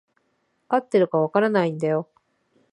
合ってるか分からないんだよ。